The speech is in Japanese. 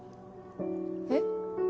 えっ？